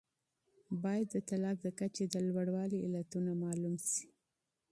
باید د طلاق د کچې د لوړوالي علتونه معلوم سي.